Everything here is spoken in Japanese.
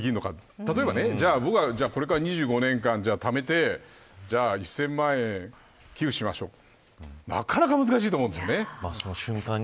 例えば僕がこれから２５年間、ためてじゃあ１０００万円寄付しましょうなかなか難しいと思うんですよね。